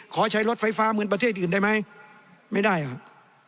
ขอใช้รถไฟฟ้าเหมือนประเทศอื่นได้ไหมไม่ได้ครับ